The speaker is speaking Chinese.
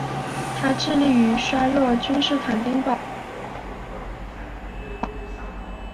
他致力于削弱君士坦丁堡世俗与宗教权贵的势力。